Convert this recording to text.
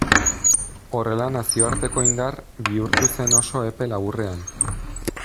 Horrela nazioarteko indar bihurtu zen oso epe laburrean.